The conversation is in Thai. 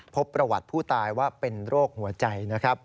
พบประวัติผู้ตายว่าเป็นโรคหัวใจนะครับ